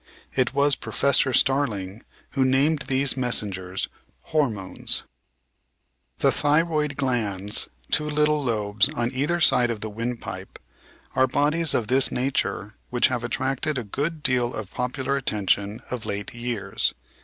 It was Professor Starling who named these messengers Hormones. The thyroid glands — two little lobes on either side of the windpipe — are bodies of this nature which have attracted a good deal of popular attention of late years.